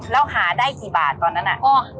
แล้วหาได้กี่บาทตอนนั้นน่ะ